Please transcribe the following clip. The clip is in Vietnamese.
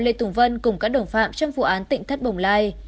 vị cáo lê tùng vân cùng các đồng phạm trong vụ án tỉnh thất bồng lai